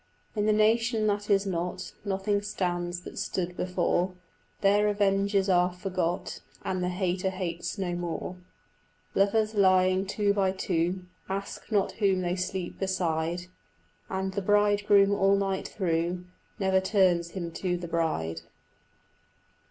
In the nation that is not Nothing stands that stood before; There revenges are forgot, And the hater hates no more; Lovers lying two and two Ask not whom they sleep beside, And the bridegroom all night through Never turns him to the bride.